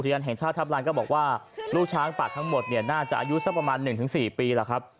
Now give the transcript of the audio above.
ยานแห่งชาติทัพลานก็บอกว่าลูกช้างป่าทั้งหมดเนี่ยน่าจะอายุสักประมาณ๑๔ปีแล้วครับ